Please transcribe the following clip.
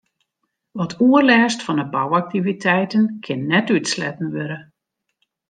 Wat oerlêst fan 'e bouaktiviteiten kin net útsletten wurde.